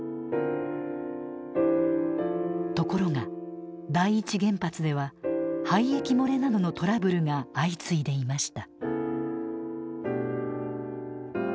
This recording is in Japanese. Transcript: ところが第一原発では廃液漏れなどのトラブルが相次いでいました。